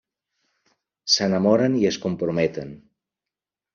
S'enamoren i es comprometen.